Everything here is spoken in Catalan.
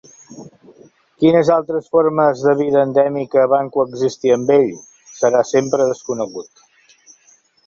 Quines altres formes de vida endèmica van coexistir amb ell, serà sempre desconegut.